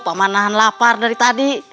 pak mandharma lapar dari tadi